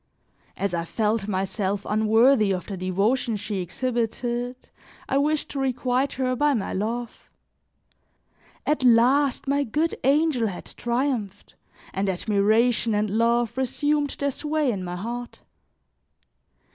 As I felt myself unworthy of the devotion she exhibited, I wished to requite her by my love; at last, my good angel had triumphed, and admiration and love resumed their sway in my heart.